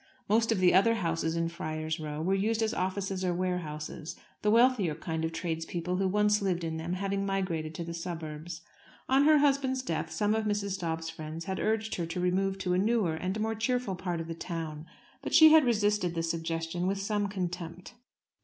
Most of the other houses in Friar's Row were used as offices or warehouses, the wealthier kind of tradespeople who once lived in them having migrated to the suburbs. On her husband's death some of Mrs. Dobbs's friends had urged her to remove to a newer and more cheerful part of the town, but she had resisted the suggestion with some contempt.